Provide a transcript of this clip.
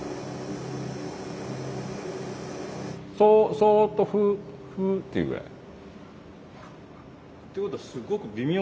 そっとふふっていうぐらい。ってことはすごく微妙な？